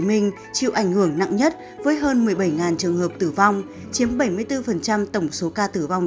minh chịu ảnh hưởng nặng nhất với hơn một mươi bảy trường hợp tử vong chiếm bảy mươi bốn tổng số ca tử vong